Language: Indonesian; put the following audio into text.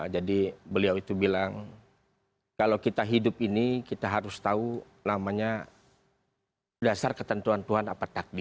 jadi beliau itu bilang kalau kita hidup ini kita harus tahu namanya dasar ketentuan tuhan apa takdir